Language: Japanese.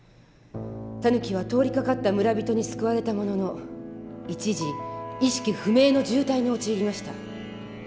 タヌキは通りかかった村人に救われたものの一時意識不明の重体に陥りました。